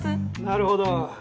なるほど。